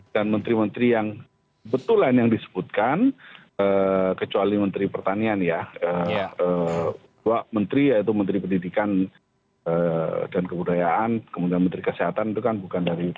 dan menteri menteri yang betulan yang disebutkan kecuali menteri pertanian ya dua menteri yaitu menteri pendidikan dan kebudayaan kemudian menteri kesehatan itu kan bukan dari itu